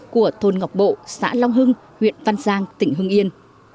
của thôn ngọc bộ xã long hưng huyện văn giang tỉnh hưng yên